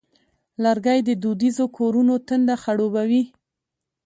لرګی د دودیزو کورونو تنده خړوبوي.